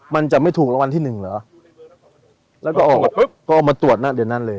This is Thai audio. มันจะไม่ถูกรางวัลที่หนึ่งเหรอแล้วก็ออกมาปุ๊บก็เอามาตรวจนะเดี๋ยวนั้นเลย